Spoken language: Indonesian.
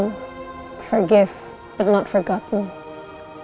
maafkan tapi jangan lupa